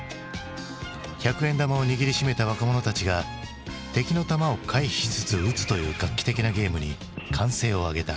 百円玉を握りしめた若者たちが敵の弾を回避しつつ撃つという画期的なゲームに歓声を上げた。